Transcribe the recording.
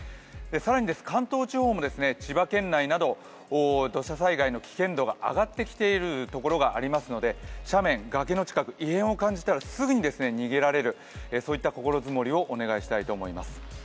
更に関東地方も千葉県内など土砂災害の危険度が上がってきているところがありますので斜面、崖の近く、異変を感じたらすぐに逃げられる、そういった心づもりをお願いしたいと思います。